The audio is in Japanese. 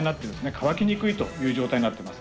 乾きにくいという状態になってます。